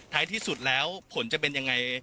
ที่สุดแล้วผลจะเป็นยังไง